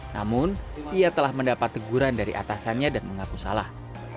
namun ia telah mendapat teguran dari atasannya dan mengaku salah